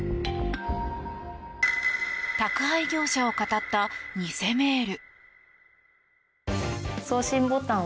宅配業者をかたった偽メール。